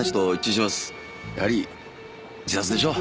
やはり自殺でしょう。